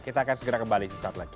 kita akan segera kembali sesaat lagi